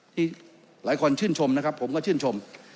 ที่หลายคนชื่นชมนะครับผมก็ชื่นชม